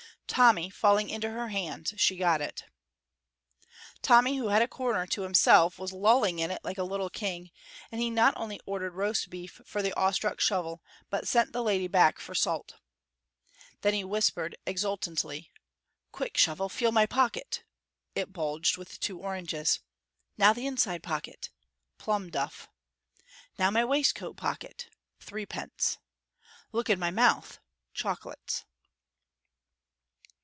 Tommy falling into her hands, she got it. Tommy, who had a corner to himself, was lolling in it like a little king, and he not only ordered roast beef for the awe struck Shovel, but sent the lady back for salt. Then he whispered, exultantly: "Quick, Shovel, feel my pocket" (it bulged with two oranges), "now the inside pocket" (plum duff), "now my waistcoat pocket" (threepence); "look in my mouth" (chocolates).